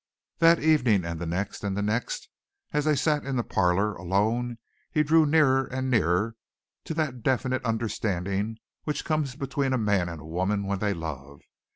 That evening and the next and the next as they sat in the parlor alone he drew nearer and nearer to that definite understanding which comes between a man and woman when they love.